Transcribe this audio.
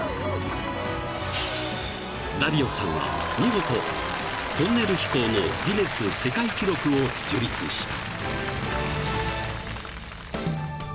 ［ダリオさんは見事トンネル飛行のギネス世界記録を樹立した］